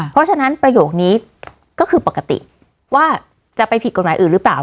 เพราะฉะนั้นประโยคนี้ก็คือปกติว่าจะไปผิดกฎหมายอื่นหรือเปล่า